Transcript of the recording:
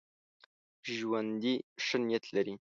ژوندي ښه نیت لري